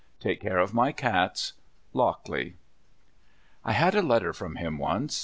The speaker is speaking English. Take care of my cats. Lockley. I had a letter from him once.